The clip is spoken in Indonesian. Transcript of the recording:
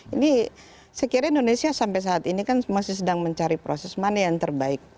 jadi saya kira indonesia sampai saat ini kan masih sedang mencari proses mana yang terbaik